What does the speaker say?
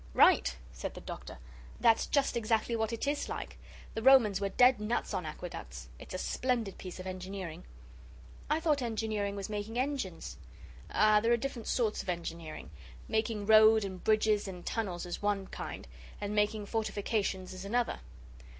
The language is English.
"Right!" said the Doctor, "that's just exactly what it IS like. The Romans were dead nuts on aqueducts. It's a splendid piece of engineering." "I thought engineering was making engines." "Ah, there are different sorts of engineering making road and bridges and tunnels is one kind. And making fortifications is another.